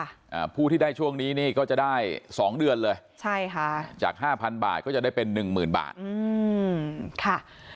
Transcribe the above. อ่าผู้ที่ได้ช่วงนี้นี่ก็จะได้สองเดือนเลยใช่ค่ะจากห้าพันบาทก็จะได้เป็นหนึ่งหมื่นบาทอืมค่ะ